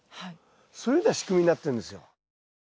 そういうふうな仕組みになってるんですよ。